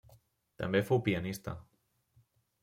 També fou pianista.